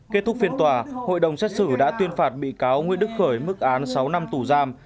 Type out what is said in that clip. kết thúc phiên tòa hội đồng xét xử đã tuyên phạt bị cáo nguyễn đức khởi mức án sáu năm tù giam